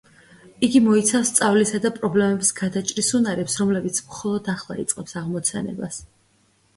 იგი მოიცავს სწავლისა და პრობლემების გადაჭრის უნარებს, რომლებიც მხოლოდ ახლა იწყებს აღმოცენებას.